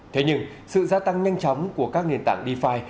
thế nhưng sự gia tăng nhanh chóng của các nền tảng dfi